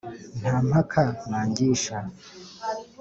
nta mpaka bangisha